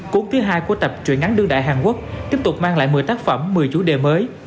cuốn thứ hai của tập truyện ngắn đương đại hàn quốc tiếp tục mang lại một mươi tác phẩm một mươi chủ đề mới